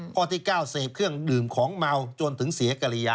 ข้อที่๙เสพเครื่องดื่มของเมาจนถึงเสียกรยา